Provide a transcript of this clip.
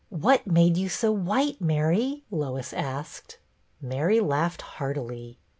" What made you so white, Mary ?" Lois asked. Mary laughed heartily.